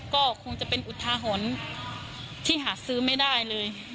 ก็คงจะเป็นอุทาหรณ์ที่หาซื้อไม่ได้เลย